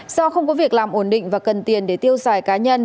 do không có việc làm ổn định và cần tiền để tiêu xài cá nhân